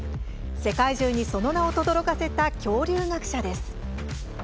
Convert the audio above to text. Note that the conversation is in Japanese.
世界中にその名をとどろかせた恐竜学者です。